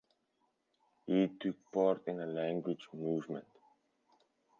He took part in the Language Movement.